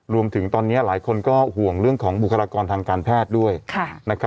รวมถึงตอนนี้หลายคนก็ห่วงเรื่องของบุคลากรทางการแพทย์ด้วย